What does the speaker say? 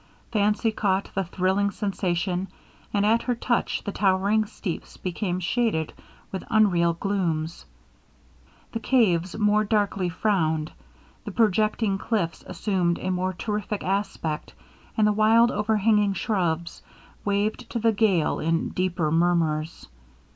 Fancy caught the thrilling sensation, and at her touch the towering steeps became shaded with unreal glooms; the caves more darkly frowned the projecting cliffs assumed a more terrific aspect, and the wild overhanging shrubs waved to the gale in deeper murmurs.